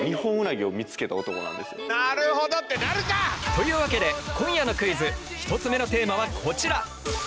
というわけで今夜のクイズ１つ目のテーマはこちら。